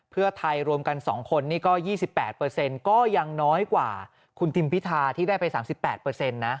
เพื่อไทยรวมกันสองคนนี่ก็ยี่สิบแปดเปอร์เซ็นต์ก็ยังน้อยกว่าคุณทิมพิธาที่ได้ไปสามสิบแปดเปอร์เซ็นต์นะ